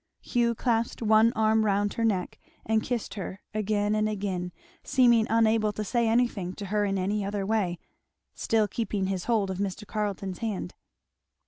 Hugh clasped one arm round her neck and kissed her again and again, seeming unable to say anything to her in any other way; still keeping his hold of Mr. Carleton's hand.